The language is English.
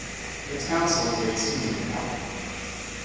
Its council is based in Newton Abbot.